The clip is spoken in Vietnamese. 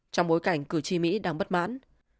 trong bối cảnh cử tri mỹ đang bất mãn